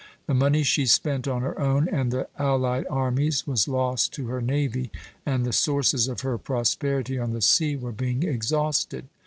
The money she spent on her own and the allied armies was lost to her navy, and the sources of her prosperity on the sea were being exhausted.